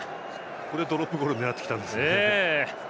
ここでドロップゴールを狙ってきたんですね。